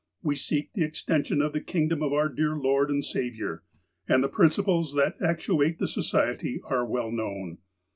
We seek the extension of the kingdom of our dear Lord and Sa viour, and the principles that actuate the Society are well known.